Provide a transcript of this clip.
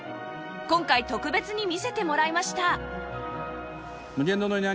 今回特別に見せてもらいました